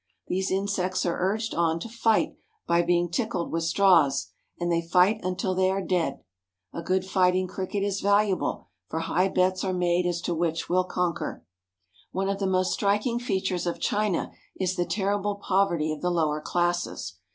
These insects are urged on to fight by being tickled with straws, and they fight until they "The Chinese baby has no cradle." CURIOUS CHINESE CUSTOMS 1/5 are dead. A good fighting cricket is valuable, for high bets are made as to which will conquer. One of the most striking features of China is the terrible poverty of the lower classes.